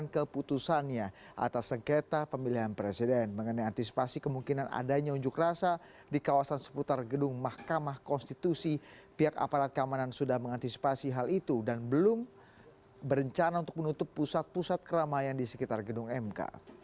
kami sudah mengantisipasi hal itu dan belum berencana untuk menutup pusat pusat keramaian di sekitar gedung mk